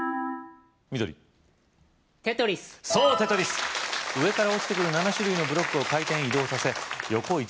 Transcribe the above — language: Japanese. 緑テトリスそうテトリス上から落ちてくる７種類のブロックを回転・移動させ横一列に並べて消す